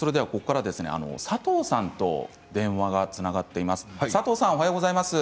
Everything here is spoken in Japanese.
佐藤さんと電話がつながっています。